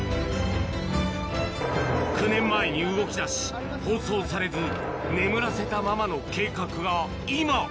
９年前に動きだし、放送されず、眠らせたままの計画が今。